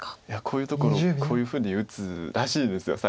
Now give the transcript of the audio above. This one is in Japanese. いやこういうところこういうふうに打つらしいです。